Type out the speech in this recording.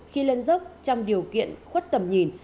khi lên dốc trong điều kiện khuất tầm nhìn